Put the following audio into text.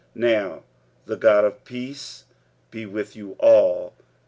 45:015:033 Now the God of peace be with you all.